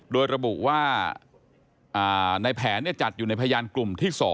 โดยระบุว่าในแผนจัดอยู่ในพยานกลุ่มที่๒